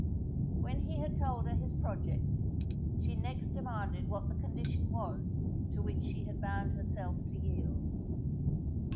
When he had told her his project, she next demanded what the condition was to which she had bound herself to yield.